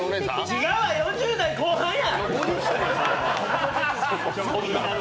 違うわ、４０代後半や！